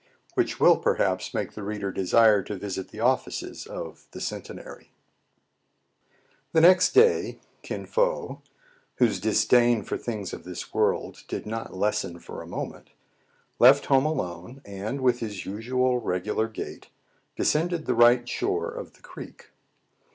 WHICH WILL, PERHAPS, MAKE THE READER DESIRE TO VISIT THE OFFICES OF THE "CENTENARY." The next day Kin Fo, whose disdain for things of this world did not lessen for a moment, left home alone, and, with his usual regular gait, de scended the right shore of the creek.